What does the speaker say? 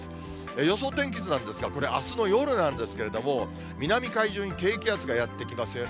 予想天気図なんですが、これ、あすの夜なんですけれども、南海上に低気圧がやって来ますよね。